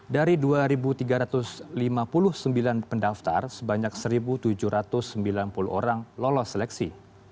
dari dua tiga ratus lima puluh sembilan pendaftar sebanyak satu tujuh ratus sembilan puluh orang lolos seleksi